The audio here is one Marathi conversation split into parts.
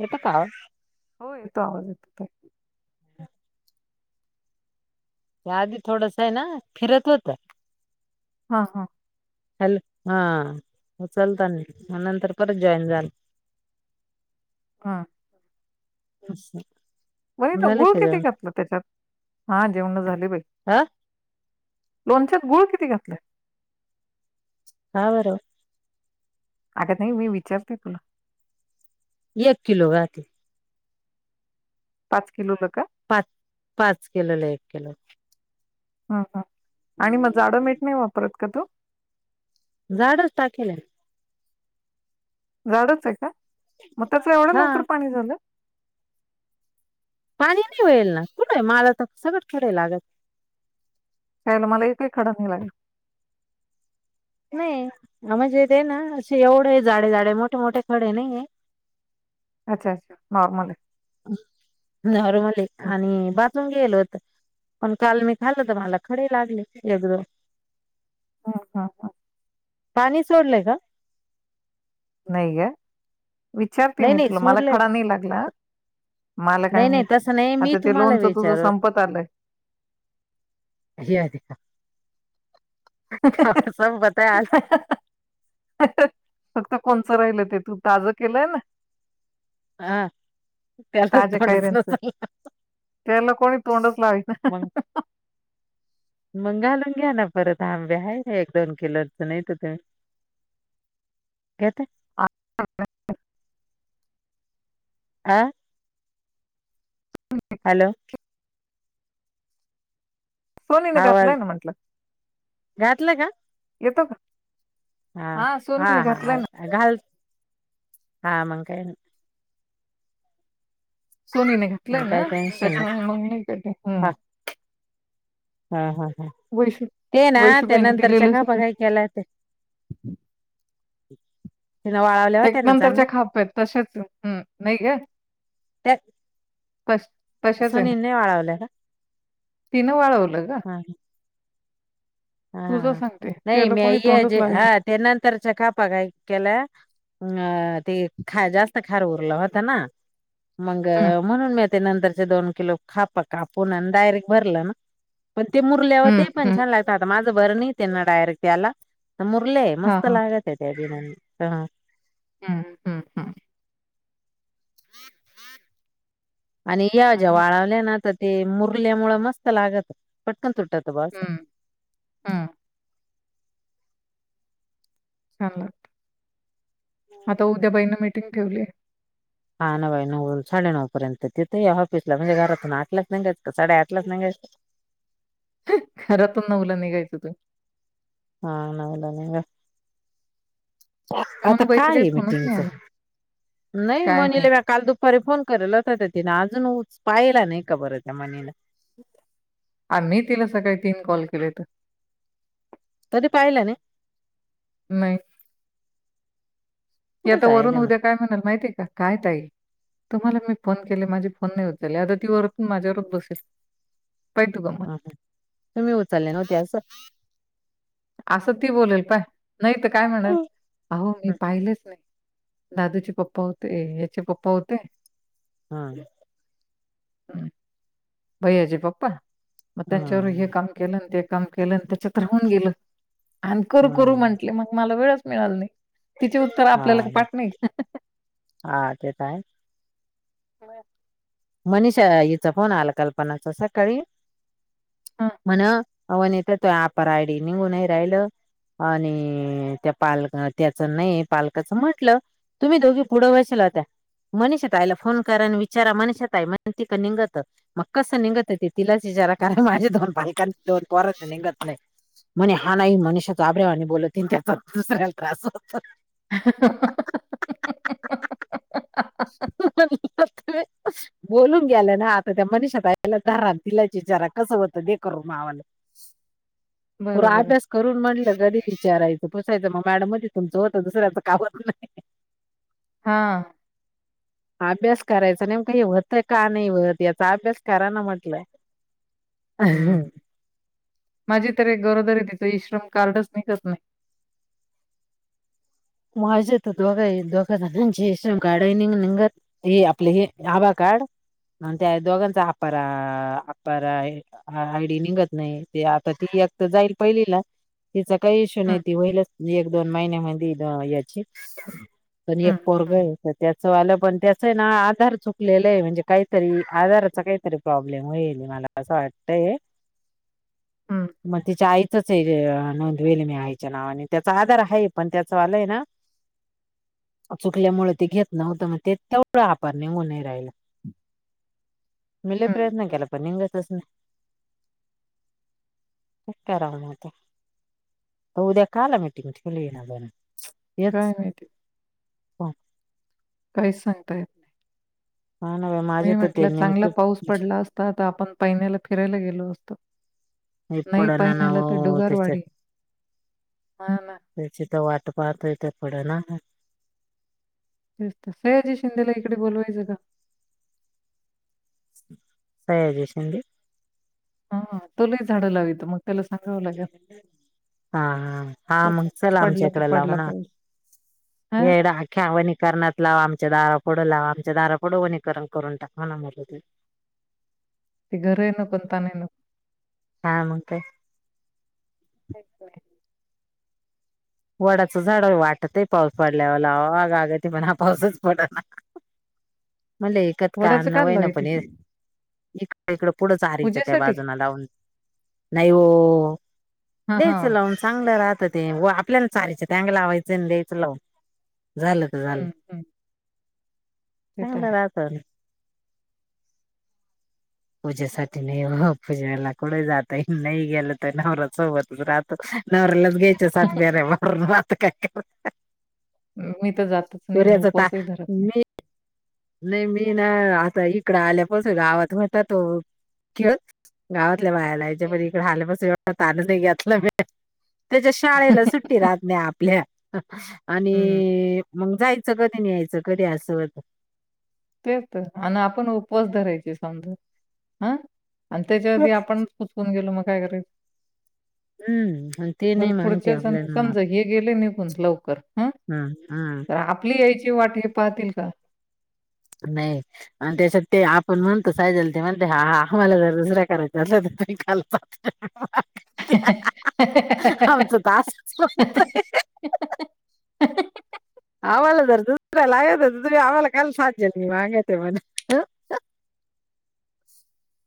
यता काव [unintelligible] हो येतो आवाज येतो काय त्या आधी थोडस आहे ना फिरत होत. हा हा. हॅल हा उचलता म्हणून तर परत जॉईन झाल हा अच्छा [unintelligible] वनिता गुळ किती घातलं त्याच्यात?, हा जेवण झाली बाई. हा लोणच्यात गुळ किती घातलंय? हा बर. अग नाही मी विचारते तुला. एक किलो घातलं. पाच किलोला का? पाच, पाच किलोला एक किलो. ह ह, आणि मग जाडं मीठ नाही वापरत का तू? जाडच टाकेला. जाडच आहे का, म त्याच एवढं हा लवकर पाणी झालं. पाणी नाही होईल ना कुठ माला तर सगळं खडे लागत. त्यालं मला एकही खडा नाही लागला. नाही, म्हणजे ते ना असे एवढं आहे जाडे जाडे मोठे मोठे खडे नाही आहे. अच्छा, नॉर्मल आहे. नॉर्मले हं, आणि बाथरूम गेल होत. पण काल मी खाल्ल तर मला खडे लागले एकदम. हा हा हा. पाणी सोडलंय का? नाही ग, विचारते नाही मी नाही तुला मला सोडले खडा नाही लागला. मला काय नाही नाही माहिती, तसं नाही मी आता ते तुम्हाला लोनच तुझ विचारू संपत आलंय. हे [unintelligible] सब बताय आज [inaudible] फक्त कोणचं राहिल ते तू ताजं केलंय ना. हा त्याला ताज्या कायऱ्यांचं तो [unintelligible] त्याला कोणी तोंडच लावी ना. मग घालून घ्या ना परत आब्या आहे एक दोन किलोच नय त तुम्ही. [inaudible] घेता. [unintelligible] आं. [unintelligible] हॅलो. सोनीने आवाज घातलंय म्हंटल. घातला का? येतो का, हा सोनीने घातलंय ना. घाल, हा मग काय नाय. सोनीने घातलंय नाही ना, काही टेन्शन नाही त्याच्यामुळे हा मग [unintelligible] हा ह ह, वैशू ते ना त्या वैशूबाईने नंतरच्या दिलेलं खापा सगळं काय केला ते [inaudible] तिन वाळवल्या. ते होत्या ना चांगल्या नंतरचे खापत तसेच हम् नाहीय ग. त्या त तशाच आहे ना, सुनीलने वाळवल्या का तिनं वाळवलं ग. हा हा तुझं हा, सांगते नाही त्याला कोणी मीय तोंडच जे लावेना हा त्या नंतरच खापा काय केल्या. अ ते खा जास्त खार उरलं होतं ना. मग हम्म, म्हणून मी ते नंतरचे दोन किलो खापा कापूून आणि डायरेक्ट भरलं ना. पण ते मुरल्यावर ते हम्म, पण हम्म. छान लागत आता माझं बरं नाही त्यांना डायरेक्ट त्याला. मुरले हा मस्त हा लागत ते [unintelligible] हम्. आणि या ज्या चांगलं आहे. वाळवल्या ना तर ते मुरल्यामुळे मस्त लागत, पटकन तुटत ब असं. हम्म, हम्म. [unintelligible] आता उद्या बाई मिटिंग ठेवली हाय. हा ना बाई नऊ साडेनऊ पर्यंत तिथे या ऑफिसला म्हणजे घरातून आठच नाही घायचं साडेठच नाही घायचं घरातून नऊला निघायचं तू हा नवला नि आता म्हणून काय बाईचा काही आहे फोनच मीटिंगच नाही आला नाही काय माहित म्हणले काल दुप फर फोन कला होता त्या तिने अजूनच पाहिला नाही खबर हो त्या मणीला आ मी तिला सकाळी तीन कॉल केले तर तरी पाहिलं ना नाही कुठं याता वरून जायला मग उद्या काय म्हणाल माहितीय काय ताई तुम्हाला मी फोन केले माझी फोन नाही होत आता ती माझ्यावरच बसेल पाहि तू ग हं, तुम्ही उचलले नव्हते अस असं ती बोलेल पाय नाही तर काय म्हणाल हम्म अहो मी पाहिलेच नाही दादूचे पप्पा होते याचे पप्पा होते हा भईयाजे पप्पा मग त्यांच्यावर हे हम्म काम केलं ते काम केलं आणि त्याच्यात राहन गेलं आणि करू करू हम्म म्हटले मग मला वेळच मिळाल नाही तिची उत्तर हा आपल्याला पाठ नाही का हा तेच आहे बर मनीषा हचा फोन आला कल्पनाच सकाळी हं. म्हण अन तर त अपराडी निघूनही राहिल हं. आणि त्या पाल त्याचं नाही पालकाचं म्हटलं तुम्ही दोघी पुढं वयशल त्या मनीषा ताई ला फोन करा आणि विचारा मनीषाताय म्हणती का निंगत मग कसं निघत य ते तिलाच विचारा क माझे दोन बालकां दोन पोर निघत नाही म्हणे हा नाही मनुष तो आब्रवा आणि बोलतते त्याचा दुसऱ्याला त्रास होत ह [inaudible] बोलून गेला ना आता त्या मनिात आला राण तिला चिचारा कसं होतं ते करून मावाला [inaudible] बरोबर आहे. आठडस करून म्हटलं कधी विचारायचं पुसायचं मग मॅडम मध तुमचं होतं दुसऱ्याच कावत नाही हा अभ्यास करायचा नेम का हे होतय का नाही वत याचा अभ्यास कराय ना म्हटलंय अ हं. ह माझी तर एक गरोदरी तिच इश्रम कारडच नाहीकच नाही माझेेत दोघंही दोघं ज गाडा निंग निंगत हे आपलं हे आभार कार्ड म्ह त्या दोघांचा अपरा अपरा हा आयडी निघत नाही ते आता तिकी तर जाईल पहिलीला तिचा काही इश्यू हं, नाही ती होईलच एक दोन महिने म्हण याची [inaudible] पण एक पोरग हं, आहे तर त्याचं वालं पण त्याचं आहे ना आधार चुकलेलं आहे म्हणजे काहीतरी आधाराच काहीतरी प्रॉब्लेम होईल मला असं वाटतय [inaudible] हं, मग तिच्या आईचंच आहे नोंदवेल मी आईच्या नावाने त्याचा आधार आहे पण त्या सवालय ना चुकल्यामुळे ते घेत नव्हतं मग तेवढं वापरणे हो नाही राहिला [inaudible] मले प्रयत्न हं. केला प निसस नाही तेराणार ते उद्या का आला मीटिंग ठेवली ये ना बण काय नाहीती काहीच सांगता येत नाही हा ना माझे मी तर ते म्हटलं चांगला नेमके पाऊस पडला असता तर आपण पहिनला फिरायला गेलो असतो हे नाही पाई पडना ना नला तर हो त्याच्यात डुगारवाडी हा ना त्याचीिथ वाट पाहत ते पड ना ते सहजी शिंदेला इकडे बोलवायचं का तयारजशडी हा तोलाही झाडं लावीितं मग त्याला सांगावं लागेल हा हा मग त्याच्या चल आमच्या पडला तर इकडे लाव पडला ना पाऊस. हां ना, येड ख्या वनीकरणात लाव आमच्या दारापुढं लाव आमच्या दारापुढं वनीकरण करून टाकव ना म ती घर आहे न कोणता नाही न हा मठ अचछ वडाचं झाड वाटत आहे पाऊस पडल्यावरला अगाग ते पण हा पाऊसच पड ना म्हले एककत का वडाचं अन्न वय ना पण लावीती? ये इकड इकडं पुढंच हराायचं त्या पूजेसाठी? बाजूना लावून नाही हो हां, द्यायचं हां. लावून चांगलं राहत ते आपल्या चालायचं चग लावायचं द्यायचं लावून झालं तर झालं हं, हं. ते तर आहे. चांगलं राहत पूजेसाठी नाही पूजाला कढ जातय नाही गेलं तर नवऱ्या सोबतच राहतो नवऱ्याला गच सात बरे म नात काय मी तर जातच नाही ना पुऱ्याच ता उपसही धरत नाही मी नाही मी ना आता इकडं आल्यापासून गावात म्हता तो गावातल्या बायाला याच्या प हं. इकडे आल्यापस ताान घलं त्याच्या शाळेला सुट्टी राहत नाही आपल्या हं, आणि मग जायचं कधी नहायचं कधी असं आणि आपण उपवास धरायचे समजा हं आणि त्याच्या आी आपण उचकून गेलो मग काय करायल हम्म आणि ते नाही मागते पुढच्या सम आपलाईन म समजा हे गेले निघून लवकर ह हम् हम तर आपली यायची वाट हे पाहतील का नाही आणि त्याच्यात ते आपण म्हणतो सायजला ते म्हणते ह ह आम्हाला जर दुसरा करायचा अस तर तहीाल आमच दास् स्म आवार दु आवाला काल साध्य हंगते मला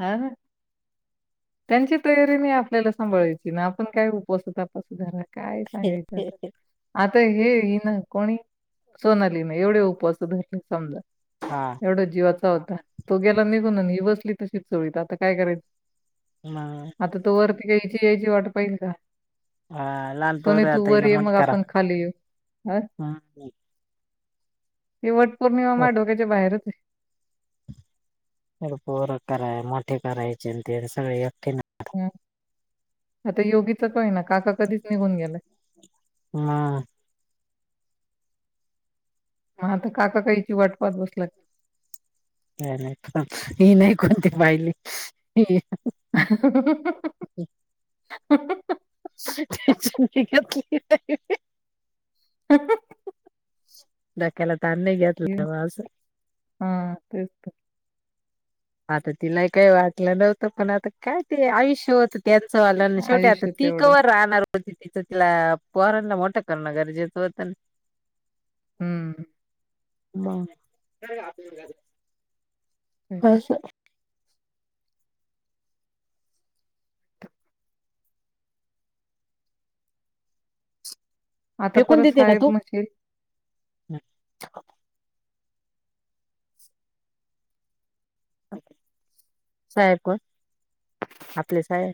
हा हा त्यांची तयारी नाही आपल्याला सांभाळायची ना आपण काय उपस आप सुधारा काय सांगायचं आता आता हे ही ना कोणी सोनाली ना एवढे उपवास धरले समजा हा एवढा जीवाचा होता तो गेला निघून ही बसली तशीच चोळीत आता काय करायच नाही आता तू वरती घ्यायची यायची वाट पाहिल का हा, लहान सोनी पोरं तू आता वर हिला ये मोठी मग करा आपण खाली येऊ ह हम्म ते वट पौर्णिमा मा डोक्याच्या बाहेरच आहे स पोरक कराय मोठे करायचे ते सगळे एकठे ह आता योगीच कय ना काका कधीच निघून गेला हम हा आता काकाकाहीची वाटपात बसला ऐ नाही पण ही नाही कोणती पाहिली अ हु हु हिचकेही क डोक्याले तान नय गेत ये हा तेच तर आता तिला काही वाटलं नव्हतं पण आता काय ते आयुष्य होत त्यांच वालं शेवटी आता आयुष्य तेवढं. तीिकवर राहणार पण तीच तिथं तिला पहारांना मोठं करणं गरजेचं होतं ना हम्म मग तेच तर. ह आता फेकून परत देते ना साहेब तू म्हटले साहेब कोण आपले साहेब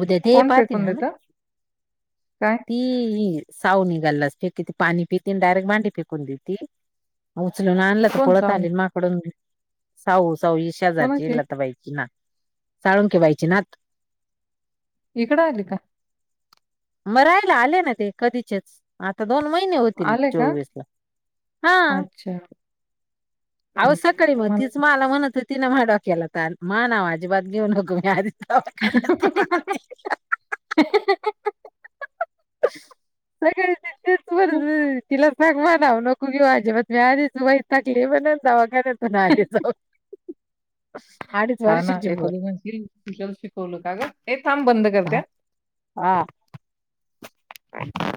उद्या ते "कोण पाहतीन फेकून हा देतं? काय? ती वीहीर साऊ निघाल्लास फेकी त पाणी पिती आणि डायरेक्ट मांडी फेकून देती उचलून आणलं तर कोण पळत सावनी? आली माकडून साऊ साऊ शेजारची कोणाची? बायची नात साळून केेबायची नात इकडं आली का मरायला आले ना ते कधीचेच आता दोन महिने होतील आले का? चोवीस ला हा अच्छा अह हं, सकाळी मग तीच मला म्हणत तिने म्ह डा केला तर मा नाव अजिबात घेऊन नको मी आधी खतो का तर तिलाच माज नाव नकू घेऊ आजिबात आधीच वयताकली म्हणून दवाखान्यात ली जाऊ आणि हा ना एखाद मनतील टिचर शिकवलं का ग हे थांब बंद करते्या आ टर